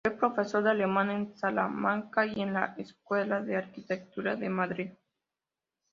Fue profesor de alemán en Salamanca y en la Escuela de Arquitectura de Madrid.